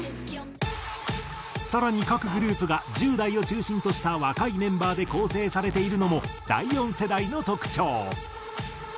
更に各グループが１０代を中心とした若いメンバーで構成されているのも第４世代の特徴。